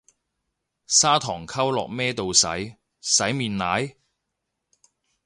砂糖溝落咩度洗，洗面奶？